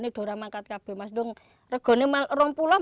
rompolah malah lebih murah